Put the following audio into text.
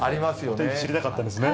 お天気知りたかったんですね。